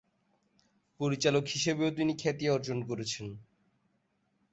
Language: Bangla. পরিচালক হিসেবেও তিনি খ্যাতি অর্জন করেছেন।